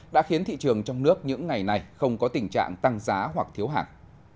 đã khiến thị trường trong nước những ngày này không có tình trạng tăng giá hoặc thiếu hàng